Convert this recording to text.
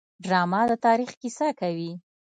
ډرامه د تاریخ کیسه کوي